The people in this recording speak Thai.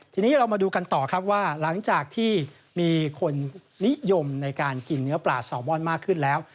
ทีนี้เรามาดูกันต่อครับว่าหลังจากที่มีคนนิยมในการกินเนื้อปลาแซลมอนมากขึ้นแล้ว